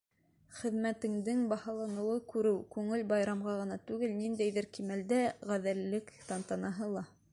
Хеҙмәтеңдең баһаланыуын күреү — күңел байрамы ғына түгел, ниндәйҙер кимәлдә ғәҙеллек тантанаһы ла.